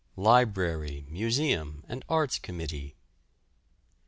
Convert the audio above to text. LIBRARY, MUSEUM, AND ARTS COMMITTEE.